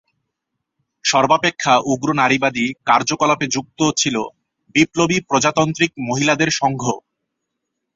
সর্বাপেক্ষা উগ্র নারীবাদী কার্যকলাপে যুক্ত ছিল 'বিপ্লবী প্রজাতান্ত্রিক মহিলাদের সংঘ'।